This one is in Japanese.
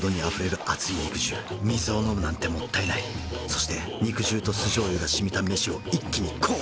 そして肉汁と酢醤油がしみた飯を一気にこう！